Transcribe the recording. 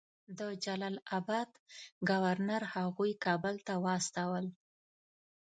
د جلال آباد ګورنر هغوی کابل ته واستول.